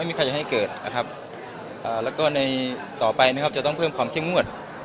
มีการที่จะพยายามติดศิลป์บ่นเจ้าพระงานนะครับ